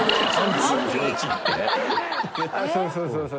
そうそうそうそう。